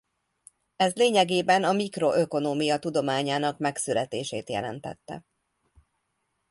Ez lényegében a mikroökonómia tudományának megszületését jelentette.